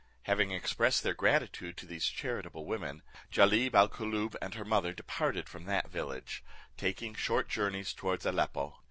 Having expressed their gratitude to those charitable women, Jalib al Koolloob and her mother departed from that village, taking short journeys towards Aleppo.